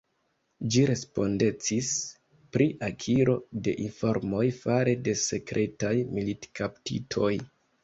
Ĝi respondecis pri akiro de informoj fare de sekretaj militkaptitoj.